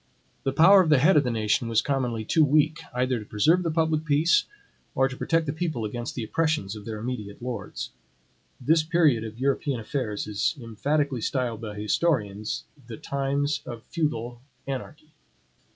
The power of the head of the nation was commonly too weak, either to preserve the public peace, or to protect the people against the oppressions of their immediate lords. This period of European affairs is emphatically styled by historians, the times of feudal anarchy.